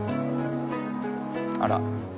あら。